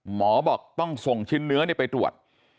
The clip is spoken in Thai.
หมอบอกต้องส่งชิ้นเนื้อไปตรวจ